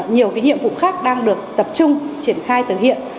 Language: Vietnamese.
nhiều cái nhiệm vụ khác đang được tập trung triển khai từ hiện